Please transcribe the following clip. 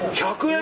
１００円？